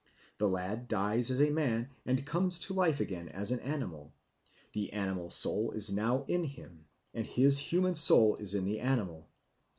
The lad dies as a man and comes to life again as an animal; the animal's soul is now in him, and his human soul is in the animal.